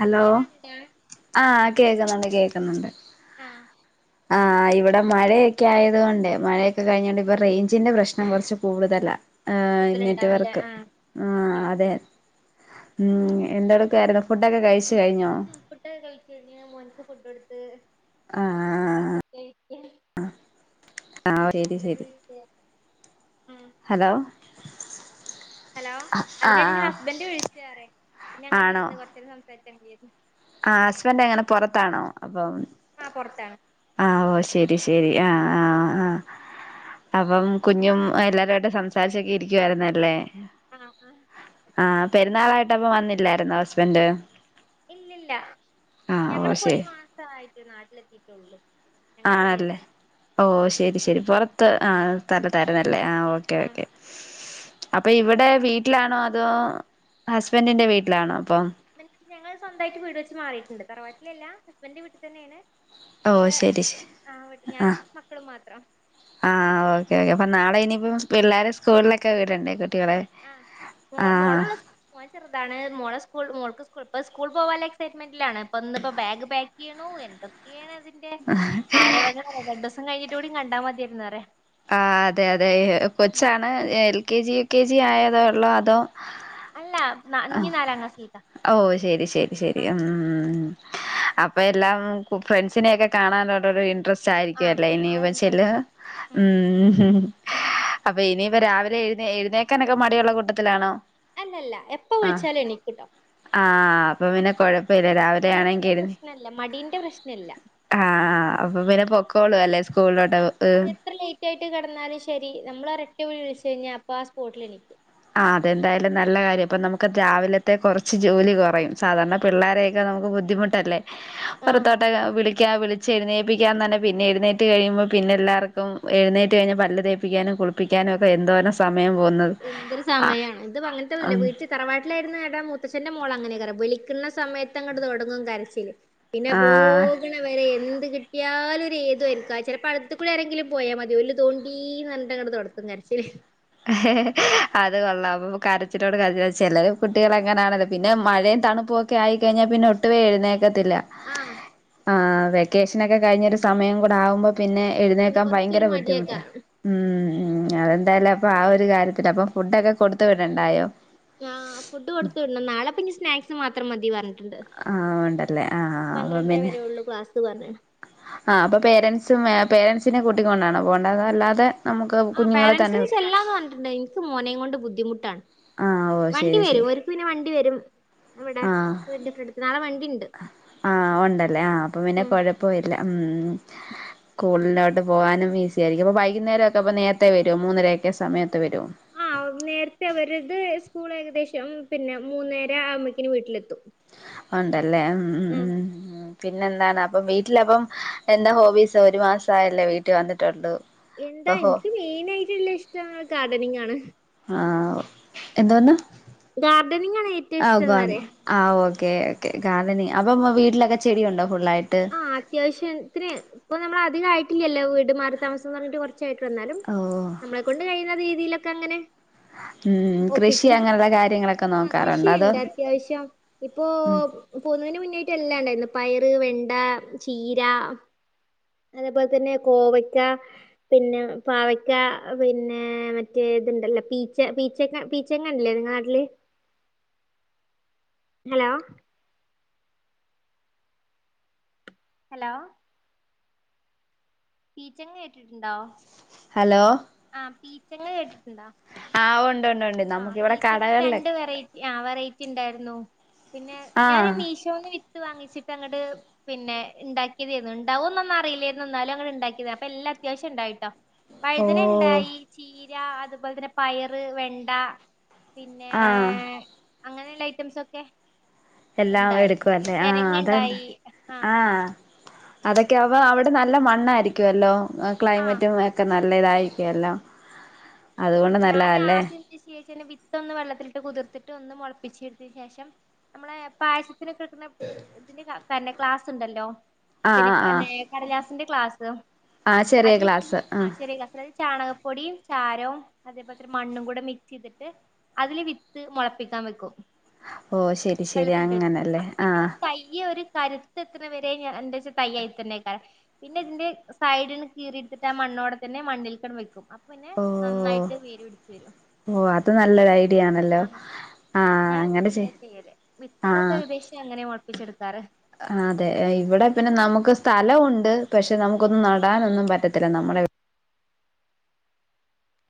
Hello clear ഉണ്ടോ ആഹ് കേക്ക്ന്നുണ്ട് കേക്ക്ന്നുണ്ട്. ആഹ് ആഹ് ഇവടെ മഴയക്കെ ആയത് കൊണ്ട് മഴയൊക്കെ കഴിഞ്ഞോണ്ട് ഇപ്പൊ റേഞ്ചിന്റെ പ്രശ്നം കൊർച്ച് കൂടുതല. ആഹ് കൂടുതൽ നെറ്റ് ഉണ്ടാവുംല്ലേ വർക്ക് ആഹ് ഓക്കെ ആഹ് ഓക്കെ അതെ. ഉം എന്തടക്കായിരുന്നു ഫുഡക്കെ കഴിച്ച് കഴിഞ്ഞോ? ഫുഡക്കെ കഴിച്ച് കയിഞ്ഞ് മോൻക്ക് ഫുഡ് കൊട്ത്ത്. ആഹ് അങ്ങനെ സ്റ്റൊയിരിക്ക. ആഹ് അയ്ൻ്റെടൽ ശരി ഹസ്ബൻഡ് ശരി വിളിച്ചേ ഉം ഹലോ? ഹലോ അതിനെടേല് ആഹ് ഹസ്ബൻറ് വിളിച്ച് റ്യ പിന്നങ്ങനെ ആണോ ഇര്ന്ന് കൊർച്ചേരം സംസാരിച്ചങ്ങ് ര്ന്ന്. ആഹ് ഹസ്ബൻഡ് എങ്ങനെ പൊറത്താണോ? അപ്പം ആഹ് പൊറത്താണ്. ആഹ് ഓഹ് ശരി ശരി ആഹ് ആഹ് ആഹ്. അപ്പം കുഞ്ഞും എല്ലാവരുവായിട്ട് സംസാരിച്ചൊക്കെ ഇരിക്കുവായിരുന്നല്ലേ? ആഹ് ആഹ് ആഹ് പെരുന്നാളായിട്ടപ്പ വന്നില്ലായിരുന്നോ ഹസ്ബൻഡ്? ഇല്ലല്ല ആഹ് ഓ ഞങ്ങളിപ്പോ ഒരു ശരി മാസായിട്ട് നാട്ടിലെത്തിട്ടുള്ളു. ആല്ലേ ഓ ശരി ശരി പൊറത്ത് ആഹ്. തരം തരംല്ലേ ആഹ് ഓക്കെ ആഹ് ഓക്കെ. അപ്പ ഇവ്ടെ വീട്ടിലാണോ അതോ ഹസ്ബൻഡിന്റെ വീട്ട്ലാണോ അപ്പം? ഞങ്ങള് സ്വന്തായിട്ട് വീട് വെച്ച് മാറിട്ടുണ്ട് തറവാട്ടിലല്ല ഹസ്ബൻഡിന്റെ വീട്ട് തന്നെണ്. ഓ ക്ഷേ ശരി ശരി ആഹ് ഞാനും ആഹ് മക്കളും മാത്രം. ആഹ് ഓക്കെ ഓക്കേ അപ്പ നാളെ ഇനിയിപ്പം പിള്ളേരെ സ്കൂള്ലക്കെ വ്ടണ്ടേ? ആഹ് ആഹ് മോ മോളള്ളൂ സ് മോൻ ചെർതാണ് മോളെ സ്കൂൾ മോൾക്ക് സ്കൂൾ ഇപ്പ സ്കൂൾ പോവാള്ള എക്സ്പെരിമെന്റിലാണ് പ്പം. ഇന്ന്പ്പം ബാഗ് പാക്ക് യ്യ്ണൂ എന്തൊ ക്കേണ് അതിന്റെ ആരവങ്ങൾ രണ്ടോസം കഴിഞ്ഞിട്ട് കൂടി കണ്ടാൽ മതിയായിരുന്നറിയ. ആഹ് അതെ അതെ കൊച്ചാണ് L K G U K G ആയതോ ഒള്ളോ അതോ? അല്ല നാ ഞ്ഞി ആഹ് നാലാം ക്ലാസ്സിൽ ക്കാ. ഓ ശരി ശരി ശരി ഉം ഉം ഉം അപ്പൊ എല്ലാം ഫ്രണ്ട്സിനൊക്കെ. കാണാനോരോരോ ഇൻട്രസ്റ്റ് ആയിരിക്കും ആഹ് അല്ലേ ആ ഒരു ഇനിപ്പ ചെല്ല ഇൻട്രസ്റ്റ് ഉം. അപ്പ ഇനിയിപ്പ രാവിലെ എഴ്ന്നേ എഴ്ന്നേക്കാനൊക്കെ മടിയുള്ള കൂട്ടത്തിലാണോ? അല്ലല്ല എപ്പ ആഹ് വിളിച്ചാലും എനിക്കുട്ടോ. ആഹ് അപ്പ പിന്നെ കൊഴ അങ്ങനെത്തൊരു പ്രശ്നല്ല മടീന്റെ പ്രശ്നല്ല ആഹ് അപ്പൊ പിന്നെ പൊക്കോളൂ അല്ലെ ആഹ് അതെത്ര ലേറ്റ് ആയിട്ട് കടന്നാലും ശരി നമ്മളൊരൊറ്റവിളി വിളിച്ച് കഴിഞ്ഞാ അപ്പൊ ആ സ്പോട്ടിലെണീക്കും ആഹ് അതെന്തായാലും നല്ല കാര്യം അപ്പൊ നമുക്ക് രാവിലത്തെ കൊറച്ച് ജോലി കുറയും സാധാരണ പിള്ളാരെയൊക്കെ നമുക്ക് ബുദ്ധിമുട്ടല്ലേ ആഹ് പുറത്തോട്ടൊ വിളി ക്യാ വിളിച്ചെഴുന്നേപ്പിക്കാൻതന്നെ ക്ക, പിന്നെ എഴുന്നേറ്റ് കഴിയുമ്പോ പിന്നെല്ലാർക്കും എഴുന്നേറ്റ് കഴിഞ്ഞാ പല്ല് തേപ്പിക്കാനും കുളി പ്പിക്കാനൊക്കെ എന്തോരം സമയം പോകുന്നത് എന്തൊരു ആ സമയാണ് ഇത് വന്ന്ട്ടൊന്നുല്ല ഉം വീട്ടിൽ തറവാ ട്ടിലായിരുന്നു എടാ മൂത്തച്ഛന്റെ മോളങ്ങനേക്കാരം വിളിക്കുന്ന സയത്ത് അങ്ങട്ട് തുടങ്ങും കരച്ചില് പിന്നെ ആ പോക്ണ വരെ എന്ത് കി ട്ടിയാലും ഒരു ഏതുവഴിയിരിക്കും അത് ചിലപ്പോ അടുത്തുക്കുടി ആരെങ്കിലും പോയാ മതി ഓല് തോണ്ടീന്ന് പറഞ്ഞിട്ട് തൊട്ത്തും കരച്ചില് അത് കൊള്ളാം അപ്പ കരച്ചിലോട് കരച്ചില ചെലേ കുട്ടികളങ്ങനാണല്ല പിന്നെ മഴയും തണുപ്പൊ ക്കെയായിഴിഞ്ഞാൽ പിന്നെ ഒട്ടുവേ എഴുന്നേക്കത്തില്ല ആഹ് ആഹ് വെക്കേഷൻ ഒക്കെ കഴിഞ്ഞൊരു സമയം കൂടാവുമ്പോ പിന്നെ ഇനി എഴുന്നേക്കാൻ കൊറച്ചൊരു ഭയങ്കര ബുദ്ധിമുട്ട മടിയേക്കാരം ഉം ഉം അതെന്തായാലും അപ്പം ആ ഒരു കാര്യത്തില് അപ്പം ഫുഡൊക്കെ കൊടുത്ത് വിടണ്ടായോ ആഹ് ഫുഡ് കൊടുത്തുടണം നാളെപ്പന്നി സ്നാക്സ് മാത്രം മതി പറഞ്ഞു ട്ടുണ്ട് ആഹ് ഉണ്ടല്ലേ ആഹ് അപ്പൊ പന്ത്രണ്ടര പിന്നെ വരേ ഉള്ളൂ ക്ലാസ് പറഞ്ഞ്ണ് ആഹ് അപ്പൊ പേരന്റ്സും പേരൻസിന്റെ കൂട്ടി കൊണ്ടാണോ പോണ്ടത അല്ലാതെ നമുക്ക് ആഹ് കുഞ്ഞുങ്ങളെ തന്നെ പേരന്റ്സിന് വി ചെല്ലാന്ന് പറഞ്ഞിട്ടുണ്ട് ഇൻക്ക് മോനേയും കൊണ്ട് ബുദ്ധിമുട്ടാണ് ആഹ് ഓ വണ്ടി ശരി വരും ശരി ഓല് ക്ക്‌ പിന്നെ വണ്ടി വരും വിടെ ആഹ് വീടിന്റെ ഫ്രണ്ട്ക്ക് നാളെ വണ്ടിണ്ട് ആഹ് ഉണ്ടല്ലേ ആഹ് അപ്പൊ പിന്നെ ഉം കൊഴപ്പ ഇല്ല ഉം സ്കൂളിലോട്ട് പോകാനും ഈസി ആയിരിക്കും അപ്പൊ വൈകുന്നേരൊക്കെ അപ്പ നേരത്തെ വരോ മൂന്നരൊക്കെ സമയത്ത് വരോ ആഹ് നേരത്തെ അവരത് സ്കൂൾ ഏകദേശം പിന്നെ മൂന്നരാ ആവുമ്പോയ്ക്കിന് വീട്ടിലെത്തും ആഹ് ഉണ്ടല്ലേ ഉം ഉം ആ ഉം ഉം പിന്നെന്താണ് അപ്പം വീട്ടിലപ്പം എന്താ ഹോബീസ് ഒരു മാസായല്ലേ വീട്ടിൽ വന്നിട്ടുണ്ട് എന്താ ഇൻക്ക് മെയിൻ ആയിട്ടുള്ള ഇഷ്ടം ഗാർഡനിങ്ങാണ് ആഹ് എന്തോന്ന് ഗാർഡനിങ്ങാണ് ഏറ്റവും ആഹ് ഗാർഡ ഇഷ്ട്ടന്നാരായ ആഹ് ഓക്കേ ഓക്കേ ഗാർഡനിങ് അപ്പൊ വീട്ടിലൊക്കെ ചെടിയുണ്ടോ ഫുള്ളായിട്ട് ആഹ് അത്യാവശ്യത്തിന് ഇപ്പൊ നമ്മള് അധിക്കാമായിട്ടില്ലല്ലോ വീട്മാറി താമസം തൊടങ്ങീട്ട് കൊർച്ചായ്ട്ടൊള്ളു ന്നാലും ഓ നമ്മളെക്കൊണ്ട് കഴിയുന്ന രീതിയിലൊക്കെങ്ങനെ ഉം കൃഷി ഒപ്പിക്കും അങ്ങനെയുള്ള കാര്യങ്ങളൊക്കെ ആഹ് നോക്കാറുണ്ടോ അതോ കൃഷിയുണ്ട് അത്യാവശ്യം ഇപ്പോ ഉം പോകുന്നതിന് മുന്നായിട്ട് എല്ലാം ഇണ്ടായിന്നു പയറ് വെണ്ട ചീര അതേപോലെത്തെന്നെ കോവയ്ക്ക പിന്നെ പാവക്ക പിന്നേ മറ്റേ ഇതുണ്ടല്ലോ പീച്ച പീച്ചക്ക പീ ച്ചങ്ങൻല്ലേ ഇങ്ങളെ നാട്ടില് ഹലോ ഹലോ പീച്ചങ്ങ കേട്ടിട്ടുണ്ടോ ഹലോ ആഹ് പീച്ചങ്ങ കേട്ടിട്ടുണ്ടോ ആഹ് ഉണ്ട്ണ്ട്ണ്ട് ആഹ് പീച്ചങ്ങന്റെ രണ്ട് വെറൈറ്റി ആഹ് വെറൈറ്റിണ്ടായിർന്നു പിന്നെ ഞാന് ആഹ് മീഷോന്ന് വിത്ത് വാങ്ങിച്ചിട്ട് അങ്ങട് പിന്നെ ഇണ്ടാക്കിയതേന്ന് ഇണ്ടാവോ എന്നാന്നും അറിയിലെർന്നു എന്നാലും അങ്ങ്ട്ട് ഇണ്ടാക്കിയതാ അപ്പൊല്ലാം അത്യാവശ്യം ഇണ്ടായിട്ടോ ഓ വഴുതനണ്ടായി ചീര അതുപോലെ തന്നെ പയറ് വെണ്ട പിന്നെ ആഹ് അങ്ങനെള്ള ഐറ്റംസൊക്കെ എല്ലാം എടുക്കുവല്ലേ ആഹ് അതെ ആഹ് അതൊക്കെ അവ അവിടെ നല്ല മണ്ണായിരിക്കുവല്ലോ ആഹ് ക്ലൈമറ്റും ഒക്കെ നല്ലതായിരിക്കുവല്ലോ ഞാൻ ആദ്യം ശേഷം വിത്തൊന്ന് വെള്ളത്തിലിട്ട് കുതിർത്തിട്ട് ഒന്ന് മൊളപ്പിച്ചെടുത്തിന് ശേഷം നമ്മളെ പായസ ഇതിനെ കെട്ട്ണ ഇതിന്റെ തന്നെ ക്ലാസ്ണ്ടല്ലോ ആഹ് പിന്നെ ആഹ് ആഹ് ന്നേ കടലാസിന്റെ ക്ലാസ് ആഹ് ചെറിയ അതിൽ ഗ്ലാസ് ആ ആഹ് ചെറിയ ഗ്ലാ അത് ചാണകപ്പൊടിയും ചാരവും അതേപോലെത്തെരു മണ്ണും കൂടെ മിക്സെയ്തിട്ട് അതില് വിത്ത് മുളപ്പിക്കാൻ വെക്കും ഓ ശരി ശരി വെള്ളത്തിലിട്ട് വെക്കും അങ്ങനല്ലേ അപ്പൊ പിന്നെ ആഹ് ഒരു തയ്യ് ഒരു കര് ഇതെത്ര വെരെ ഞൻ എന്താച്ചാ തയ്യായ്ത്തന്നേക്കാരം പിന്നെ ഇതിന്റെ സൈഡിന് കീറിടുത്തിട്ട് ആ മണ്ണോടെ തന്നെ മണ്ണിൽക്കണ് വെക്കും പിന്നെ നന്നായിട്ട് വേര് പിടിച്ചു വെരും ഓഹ് അത് നല്ലൊരയ് ആഹ് ഞാൻ ഇതെക്കെ ഇങ്ങനെയ ചെയ് ചെയ്യല് വിത്തുകളൊക്കെ ഏകദേശം ഇങ്ങനെയ മുളപ്പിച്ചെടുക്കാറ് ആഹ് അതെ ഇവിടെ പിന്നെ നമുക്ക് സ്ഥലം ഉണ്ട് പക്ഷെ നമുക്കൊന്നും നടാനൊന്നും പറ്റത്തില്ല നമ്മുടെ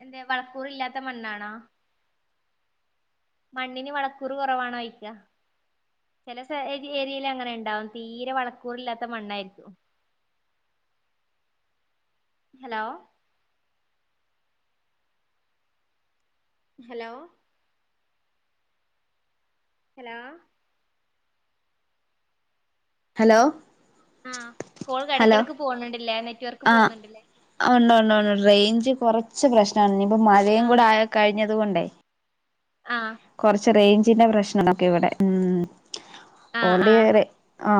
എന്തേ വളക്കൂറില്ലാത്ത മണ്ണാണോ മണ്ണിന് വളക്കൂറ് കൊറവാണോയ്ക്ക ചെല സെ ഏരിയയിൽ അങ്ങനെണ്ടാവും തീരെ വളക്കൂറില്ലാത്ത മണ്ണായിരിക്കും [inaudible] ഹലോ ഹലോ ഹലോ ഹലോ ആഹ് കോൾ ഹലോ എടക്കിടക്ക് പോണ് ണ്ടില്ലെ നെ ആഹ് ഉണ്ട് ഉണ്ട് ഉണ്ട് റേഞ്ച് കൊറച്ച് പ്രശ്നാണ് ഇനിയിപ്പ മഴയും ആഹ് കൂടെ ആയ കയ്ഞ്ഞതുകൊണ്ടേ ആഹ് കൊറച്ച് റേഞ്ചിന്റെ പ്രശ്നംണ്ടൊക്കെ ഇവിടെ ഉം ആഹ് ഓൾറെഡി ആഹ് റെ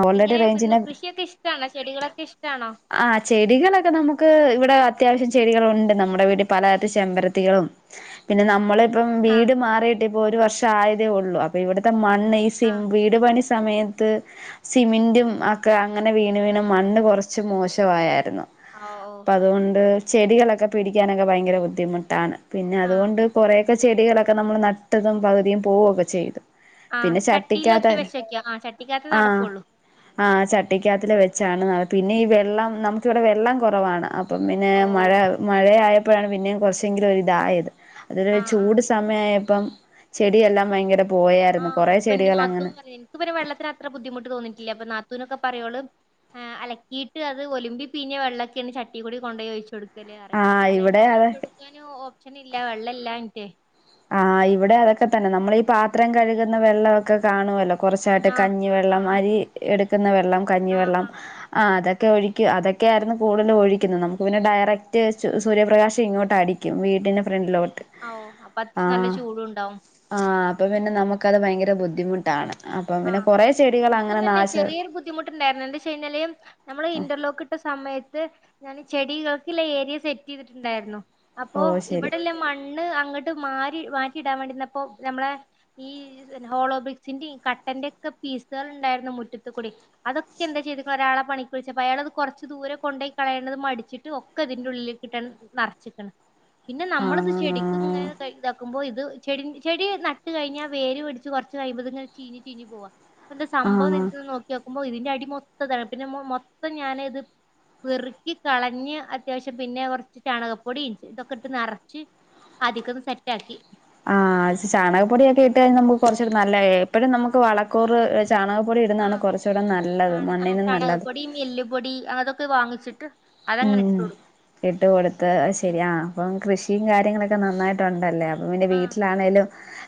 ഓൾറെഡി എങ്ങനെ പിന്നെ റേഞ്ചിനെ കൃഷിയൊക്കെ ഇഷ്ടാണോ ചെടികളൊക്കെഷ്ടാണോ ആഹ് ചെടികളൊക്കെ നമുക്ക് ഇവിടെ അത്യാവശ്യം ചെടികളുണ്ട് നമ്മുടെ വീട്ടിപലതത്തെ ചെമ്പരത്തികളും പിന്നെ നമ്മളിപ്പം ആഹ് വീട് മാറിയിട്ട് ഇപ്പൊ ഒരു വർഷം ആയതേ ഉള്ളൂ അപ്പൊ ഇവിടത്തെ മണ്ണ് സിം ആഹ് വീട് പണി സമയത്ത് സിമെന്റും അക്കെ അങ്ങനെ വീണ് വീണ് മണ്ണ് കൊറച്ച് കുറച്ച് മോശവായായ്രുന്നു ആഹ് ഓഹ് അതുകൊണ്ട് ചെടികളൊക്കെ പിടിക്കാനൊക്കെ ഭയങ്കര ബുദ്ധിമുട്ടാണ് പിന്നെ ആഹ് അതുകൊണ്ട് കുറെക്കെ ചെടികളൊക്കെ നമ്മൾ നട്ടതും പകുതിയും പോവൊക്കെ ചെയ്തു ആഹ് പിന്നെ ചട്ടിക്കകത്ത് ചട്ടിയിലോക്കെ വെച്ചേക്ക ആ ചട്ടിക്കകത്ത് ആഹ് നടക്കൊള്ളൂ ആഹ് ചട്ടിക്കാത്തില് വെച്ചാണ് പിന്നെ ഈ വെള്ളം നമുക്കിവിടെ വെള്ളം കൊറവാണ് അപ്പം പിന്നെ ഓഹ് മഴ മഴയപ്പോഴാണ് പിന്നെ കുറച്ചെങ്കിലും ഒരു ഇതായത് അത്വരെ ആഹ് ആഹ് ചൂട് സ സമയായപ്പം ചെടിയെല്ലാം ഭയങ്കര പോയാരുന്നു കൊറേ ചെടികളങ്ങനെ ഇൻക്കൊക്കെ വെള്ളത്തിന് ബുദ്ധിമുട്ട് തോന്നിട്ടില്ല പ്പ നാത്തുനൊക്കെ പറയും ഓള് ആഹ് അലക്കിയിട്ട് അത് ഒലിബി പീഞ്ഞ വെള്ളൊക്കെണ് ചട്ടി കൂടി കൊണ്ടൊയി ഒയ്ച്ചൊട്ക്ക ക്കലേറിം ആഹ് അല്ലാണ്ട് ഇവിടെ അതെ നനച്ചൊടുക്കാനോ ഓപ്ഷൻ ഇല്ല വെള്ളല്ലാഞ്ഞിട്ടേ ആഹ് ഇവിടെ അതൊക്കെ തന്നെ നമ്മൾ ഈ പാത്രം കഴുകുന്ന വെള്ളവൊക്കെ കാണുവല്ലോ കുറച്ചായിട്ട് ആഹ് കഞ്ഞിവെള്ളം ആഹ് അരി എടുക്കുന്ന വെള്ളം ആഹ് ആഹ് കഞ്ഞിവെള്ളം ആഹ് ആഹ് അതൊക്കെ ഒഴിക്കും അതൊക്കെയായിരുന്നു കൂടുതല് ഒഴിക്കുന്നത് നമുക്ക് പിന്നെ ഡയറക്റ്റ് സൂര്യപ്രകാശം ഇങ്ങോട്ട് അടിക്കും ക്കും വീടിന്റെ ഫ്രണ്ടിലോട്ട് ഔ അപ്പ അത്ര നല്ല ആഹ് ചൂടു ണ്ടാവും ആഹ് അപ്പൊ പിന്നെ നമുക്കത് ഭയങ്കര ബുദ്ധിമുട്ടാണ് അപ്പൊ പിന്നെ കൊറെ ചെടികൾ അങ്ങന നാശം ബുദ്ധിമുട്ട് ണ്ടായിര്ന്ന് എന്ത ചെയിഞ്ഞാല് നമ്മള് ഇന്റർലോക്ക് ട്ട സമയത്ത് ഞാൻ ചെടികൾക്ക്ള്ള ഏരിയ സെറ്റ് ചെയ്തിട്ടുണ്ടായിരുന്നു അപ്പോ ഓഹ് ശരി ഇവിടെല്ല മണ്ണ് ണ്ണ് അങ്ങട്ട് മാഹി മാറ്റിടാൻ വേണ്ടിന്നപ്പോ നമ്മളെ ഈ ഹോളോ ബ്രിക്സിന്റെ കട്ടന്റെ ഒക്കെ പീസൾ ണ്ടായിരുന്നു മുറ്റത്ത് കൂടി അതൊക്കെ എന്താ ചെയ്ത്ക്കെ ഒരാളെ പണിക് വിളിച്ചപ്പോ അയാള അത് കോറച്ച് ദൂരെ കൊണ്ടയി കളയണത് മടിച്ചിട്ട് ഒ ഒക്കെ തിന്റെ ഉള്ളിലേക്ക് ഇട്ടാൻണ്ട് നറച്ച്ക്ണ് പിന്നെ നമ്മളത് ചെടി ഇത് ആഹ് ഇങ്ങനെ ഇതാക്കുമ്പോ ഇത് ചെടിൻ ചെടി നട്ട് കഴിഞ്ഞാൽ വേര് പിടിച്ച് കോറച്ച് കഴിയുമ്പോ ഇത് ഇങ്ങനെ ചീഞ് ചീഞ്ഞ് പോവാ പ്പന്താ സംഭവം ആഹ് നൊക്കി ക്കുമ്പോ ഇതിന്റെ അടി മൊത്തം താ പിന്നെ മൊത്തം ഞാനത് പെറിക്കി കളഞ് അത്യാവശ്യം പിന്നെ കോറച്ച് ചാണകപ്പൊടിം ഇതൊക്കെ ഇട്ട് നറച്ച് ആധിക്കന്ന് സെറ്റ് ആക്കി ആഹ് ഷാ ചാണകപ്പൊടിയോക്കെ ഇട്ട് കഴിഞ്ഞാ നമുക്ക് കൊറച്ചൂടി നല്ലേ എപ്പോഴും ആഹ് നമുക്ക് വളക്കൂറ് ചാണകപ്പൊടി ഇടുന്നാണ് ആഹ് കൊറചൂടെ നല്ലത് മണ്ണിനും നല്ലത് എല്ല് പൊടി അതൊക്കെ വാങ്ങിച്ചിട്ട് അതങ്ങനെ ഇട്ട് കൊടുക്കും ഇട്ട് കൊടുത്ത് അത് ഉം ശരി ആഹ് അപ്പം കൃഷിയും കാര്യങ്ങളൊക്കെ നന്നായി ട്ടുണ്ടല്ലേ അപ്പൊ പിന്നേ ആഹ് വീട്ടിലാണെലും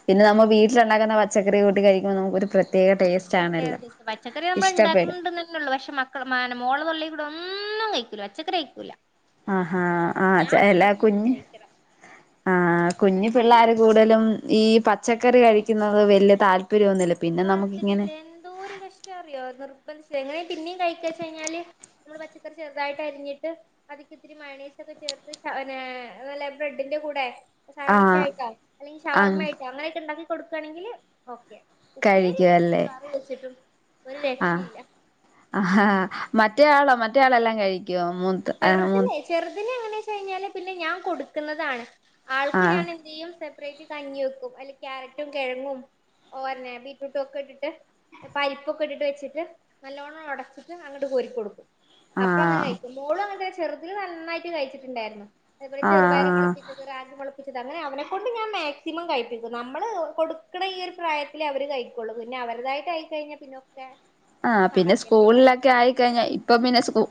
പിന്നെ നമ്മ വീട്ടില് ണ്ടാക്കുന്ന പച്ചക്കറി കൂട്ടി കഴികുമ്പോ നമുക്ക് ഒരു പ്രത്യേക ടെസ്റ്റ് പ്രത്യേക ടെസ്റ്റാ പച്ചക്കറി നമ്മൾ ഇണ്ടാക്ന്ണ്ടന്നെള്ളൂപക്ഷെ മാന മോൾ ഇവടെ ഒന്നും കഴിക്കൂല പച്ചക്കറി കഴിക്കൂല ആഹാ ആഹ് ഞാൻ ചെലാ മാത്രം ഇരുന്ന് കുഞ് കഴിക്കണം ആഹ് കുഞ്ഞു അപ്പൊ പിള്ളേർ എനിക്ക് കൂ ടുതലും ഈ പച്ചക്കറി കഴിക്കുന്നത് വല്യ താല്പര്യ ഒന്നുല്ല താല്പര്യ ഇല്ല എന്തോ ഒരു കഷ്ട അറിയോ നിർബന്ധച്ച് കഴിഞ്ഞാ യെങ്ങനെ പിന്നെയും കഴിക്കച്ച് കഴിഞ്ഞാൽ കഴിഞ്ഞാല് നമ്മൾ പച്ചക്കറി ചെറുതായിട്ട് അരിഞ്ഞിട്ട് അതിക്ക് ഇത്തിരി മയണീസ് ഒക്കെ ചേർത്ത് ശാ നല്ല ബ്രെഡിന്റെ കൂടെ സാൻവിച്ച് ആഹ് ആയിട്ടാ അല്ലെങ്കി ആഹ് ഷവർമ്മ ആയിട്ടാ അങ്ങനെയൊക്കെ ണ്ടാക്കി കൊടുക്കാണങ്കിൽ ഓക്കെ ഉപ്പേരി വെച്ചിട്ടും കഴിക്കുവല്ലേ കറി വെച്ചിട്ടും ഒരു ആഹ് രക്ഷയില്ല ആഹാ മറ്റേയാളോ മറ്റേയാളല്ലാം കഴിക്കോ മു ചെറുതിലെ ചെറുതിലെ എങ്ങനെ ച്ച് കഴിഞ്ഞാല് പിന്നെ ഞാൻ കൊടുക്കുന്നതാണ് ആൾക്ക് ആഹ് ഞാൻ എന്ത്യേയ്യും സപ്പറേറ്റ് കഞ്ഞി വെക്കും അയില് ക്യാരറ്റും കെഴങ്ങും ഓരന ബീറ്റ്റൂട്ട് ഒക്കെ ഇട്ടിട്ട് പരിപ്പൊക്കെ ഇട്ടിട്ട് വെച്ചിട്ട് നല്ലോണം ഒടച്ചിട്ട് അങ്ങട്ട് കോരി കൊടുക്കും അപ്പ അങ്ങനെ ആഹ് കഴിക്കും മോളും അങ്ങനത്തന്നേ ചെറുതിൽ നന്നായിട്ട് കഴിച്ചിട്ടുണ്ടായിരുന്നു അത് പോലെ ചെറുപയറ് ആഹ് മോളപ്പിച്ചത് റാഗി മോളപ്പിച്ചത് അങ്ങനെ അവനെക്കൊണ്ട് ഞാൻ മാക്സിമം കഴിപ്പിക്കും നമ്മള് കൊടുക്ക്ണെ ഈ ഒരു പ്രായ ത്തിലെ അവര് കഴിക്കൊള്ളൂ പിന്നെ അവരതായിട്ട് ആയി കഴിഞ്ഞാ പിന്നോക്കെ ആഹ് പിന്നെ സ്കൂൾ ലൊക്കെ ആയിക്കഴിഞ്ഞാ ഇപ്പം പിന്നെ സ്കൂ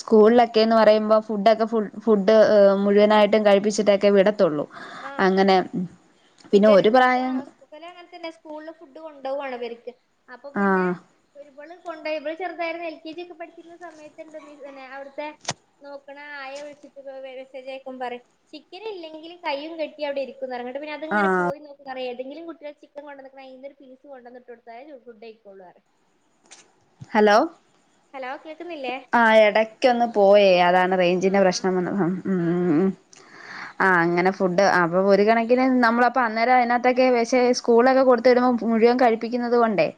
സ്കൂളിലൊക്കെന്ന് പറയുമ്പോ ഫുഡൊക്കെ ഫുഡ് മുഴുവനായിട്ടും കഴിപ്പിച്ചിട്ടൊക്കെ വിടത്തൊള്ളൂ ആഹ് അങ്ങനെ പിന്നെ ഒരു പ്രായം ഇവല് അങ്ങന തന്നെ സ്കൂള് ഫുഡ് കൊണ്ടോ വാണ് ഇവര് ക്ക് അപ്പൊ പിന്നെ ആഹ് ഇവള് കൊണ്ടോയി ഇവൾ ചെറുതായാരേം എൽ കെ ജി ഒക്കെ പഠിച്ചിരുന്ന സമയത്ത്ണ്ട് അവ്ട് ത്തെ നോക്ണെ ആയ വിളിച്ചിട്ട് മെസ്സേജ് അയക്കുബൊ പറിം ചിക്കന് ഇല്ലെങ്കില് കയ്യും കെട്ടി അവിടെ ഇരിക്കും ന്നറിയും എന്നിട്ട് പിന്നെ ത് ങ്ങനെ ആഹ് പോയി നോക്കും ഏതെങ്കിലും കുട്ടിയാൾ ചിക്കൻ കൊണ്ടന്ന് ക്കണോ അയിനൊരു പീസ് കൊണ്ടന്ന് ഇട്ട് കൊടുത്താ ഫുഡ് അയിക്കൊള്ളൂ റയും ഹലോ ഹലോ കേള്ക്കുന്നില്ലേ ആഹ് എടയ്ക്കൊന്ന് പോയേ അതാണ് ആഹ് റേഞ്ചിന്റെ ആഹ് പ്രശ്നം വന്നതാണ് മ്മ് ആഹ് ആഹ് മ്മ് ആഹ് അങ്ങനെ ഫുഡ് അ ഒരു കണക്കിന് നമ്മള് അപ്പൊ അന്നേരെ അതിനകത്തൊക്കെ പക്ഷേ സ്കൂളൊക്കെ കൊടു തരുമ്പോ മുഴുവൻ കഴിപ്പിക്കുന്നത് കൊണ്ടേ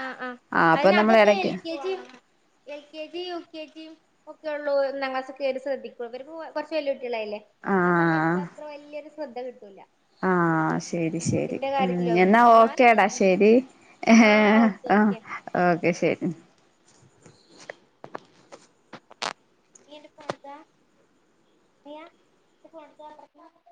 ആഹ് ആഹ് അപ്പൊ അയിന് നമ്മൾ അതൊക്കെ എൽ എടക്ക് K G L K G U K ജിയും ഒക്കെ ഒള്ളൂ ഒന്നാം ക്ലാസ്സ് ഒക്കെയായിട്ട് ശ്രദ്ധിക്ക അവരികുറച്ച്പ്പൊ വെല്ല്യ കുട്ടികളായില്ലേ ആ ആഹ് സമയത്ത് അത്ര വലിയൊരു ശ്രദ്ധ കിട്ടൂല ആ ശരി ശരി ഫുഡിന്റെ ഉം കാര്യത്തിലൊന്നും എന്നാ എന്നാലും ഓക്കേടാ ശരി ആഹ് ഓക്കെ ഓക്കെ ഓക്കെ ശരി നീ എന്റെ ഫോൺട്താ നീയാ എന്റെ ഫോൺടതാവടെന്ന്